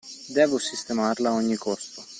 Devo sistemarla a ogni costo.